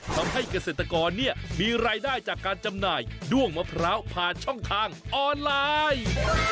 ทำให้เกษตรกรเนี่ยมีรายได้จากการจำหน่ายด้วงมะพร้าวผ่านช่องทางออนไลน์